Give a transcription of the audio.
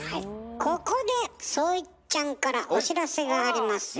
ここで創一ちゃんからお知らせがありますよ。